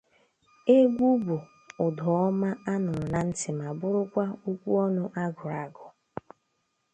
Egwu bụ ụda ọma a nụrụ na ntị ma bụrụkwa okwu ọnụ a gụrụ agụ